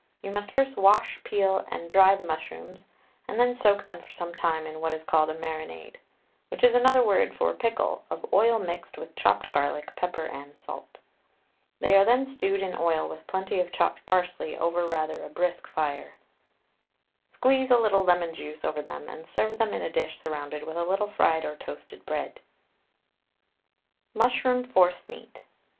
You must first wash, peel, and dry the mushrooms, and then soak them for some time in what is called a marinade, which is another word for pickle, of oil mixed with chopped garlic, pepper, and salt. They are then stewed in oil with plenty of chopped parsley over rather a brisk fire. Squeeze, a little lemon juice over them and serve them in a dish surrounded with a little fried or toasted bread. MUSHROOM FORCEMEAT.